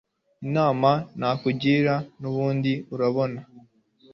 inama nakugira nubundi urabona